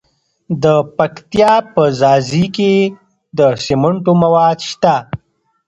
د پکتیا په ځاځي کې د سمنټو مواد شته.